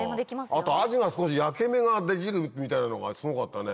あとアジが少し焼け目ができるみたいなのがすごかったね。